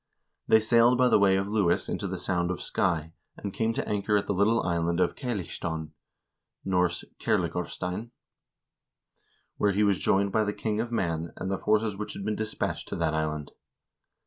He sailed by the way of Lewis into the Sound of Skye and came to anchor at the little island of Cailleachstone (N. Kerlingarstein), where he was joined by the king of Man, and the forces which had been dispatched to that island.